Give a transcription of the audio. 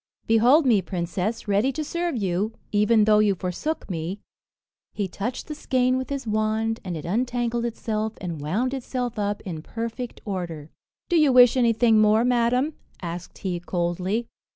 "Behold me, princess, ready to serve you, even though you forsook me." He touched the skein with his wand, and it untangled itself, and wound itself up in perfect order. "Do you wish anything more, madam?" asked he coldly.